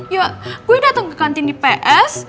ya gue dateng ke kantin di ps